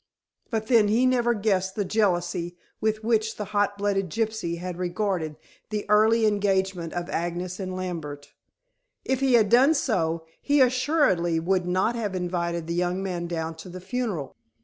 But then he never guessed the jealousy with which the hot blooded gypsy had regarded the early engagement of Agnes and Lambert. If he had done so, he assuredly would not have invited the young man down to the funeral.